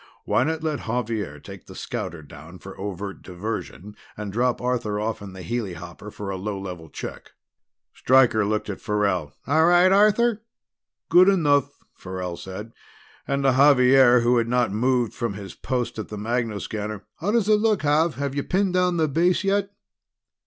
"Why not let Xavier take the scouter down for overt diversion, and drop Arthur off in the helihopper for a low level check?" Stryker looked at Farrell. "All right, Arthur?" "Good enough," Farrell said. And to Xavier, who had not moved from his post at the magnoscanner: "How does it look, Xav? Have you pinned down their base yet?"